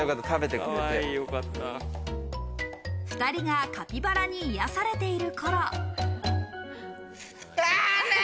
２人がカピバラに癒やされている頃。